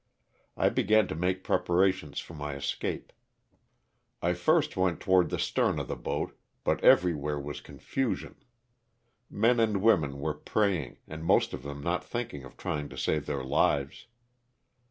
I began to make preparations for my escape. I first went toward the stern of the boat, but everywhere was confusion. Men and women were praying, and most of them not thinking of trying to save their lives.